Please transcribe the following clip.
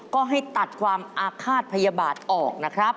ก็ให้ตัดความอาฆาตพยาบาทออกนะครับ